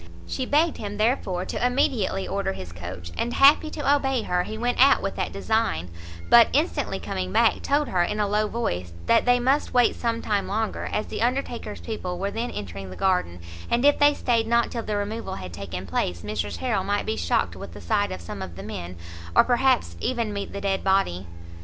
She begged him, therefore, to immediately order his coach, and, happy to obey her, he went out with that design; but, instantly coming back, told her, in a low voice, that they must wait some time longer, as the Undertaker's people were then entering the garden, and if they stayed not till the removal had taken place, Mrs Harrel might be shocked with the sight of some of the men, or perhaps even meet the dead body.